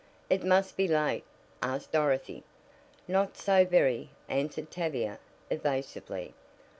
"It must be late?" asked Dorothy. "Not so very," answered Tavia evasively.